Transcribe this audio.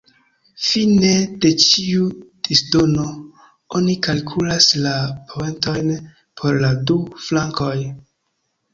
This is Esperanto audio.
Fine de ĉiu "disdono" oni kalkulas la poentojn por la du flankoj.